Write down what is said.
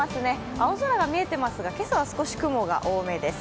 青空が見えてますが、今朝は少し雲が多めです。